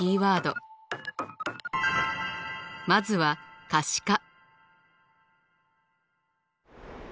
まずは可視化。